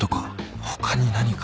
他に何か。